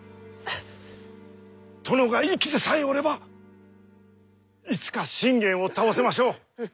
殿が生きてさえおればいつか信玄を倒せましょう。